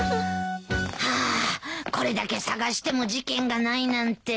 はあこれだけ探しても事件がないなんて。